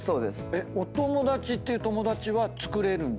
お友達っていう友達はつくれるんですか？